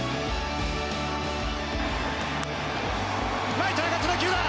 ライトへ上がった打球だ！